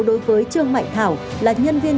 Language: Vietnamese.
đối với trương mạnh thảo là nhân viên